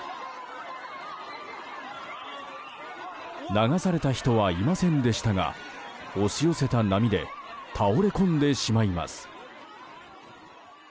流された人はいませんでしたが押し寄せた波で倒れこんでしまいます。